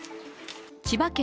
千葉県